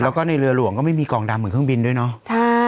แล้วก็ในเรือหลวงก็ไม่มีกองดำเหมือนเครื่องบินด้วยเนาะ